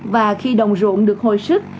và khi đồng ruộng được hồi sức